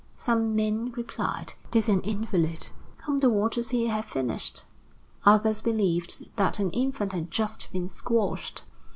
Some men replied: "'Tis an invalid, whom the waters here have finished." Others believed that an infant had just been squashed.